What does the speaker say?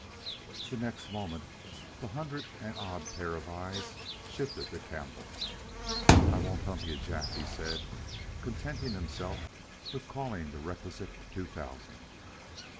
The next moment the hundred and odd pairs of eyes shifted to Campbell. "I won't hump you, Jack," he said, contenting himself with calling the requisite two thousand.